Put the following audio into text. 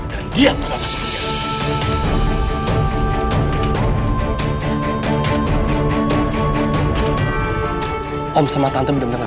dan dia pernah masuk kejar